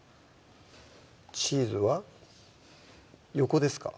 チーズは横ですか？